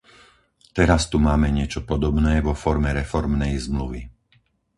Teraz tu máme niečo podobné vo forme reformnej zmluvy.